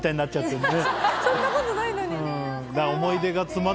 そんなことないのに。